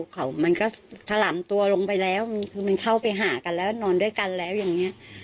เขามันก็ถล่ำตัวลงไปแล้วคือมันเข้าไปหากันแล้วนอนด้วยกันแล้วอย่างนี้